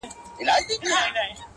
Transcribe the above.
د مرمۍ په څېر له پاسه راغوټه سو -